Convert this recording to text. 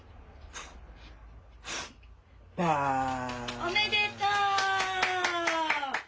おめでとう！